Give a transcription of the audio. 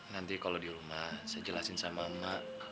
nanti kalau di rumah saya jelasin sama emak